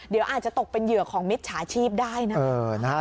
เดี๋ยวอาจจะตกเป็นเหยื่อของมิจฉาชีพได้นะ